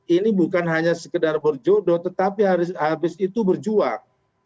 ini bukan hanya sekedar berjodoh tetapi habis itu berjuang